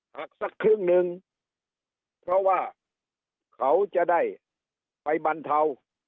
สักครึ่งหนึ่งเพราะว่าเขาจะได้ไปบรรเทา